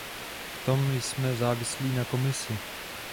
V tom jsme závislí na Komisi.